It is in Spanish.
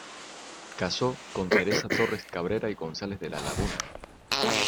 Casó con Teresa Torres-Cabrera y González de la Laguna.